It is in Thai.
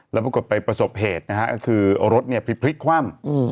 แล้วปรากฏไปประสบเหตุรถผลิกความ